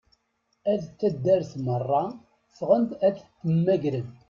At taddart merra ffɣen-d ad t-mmagren.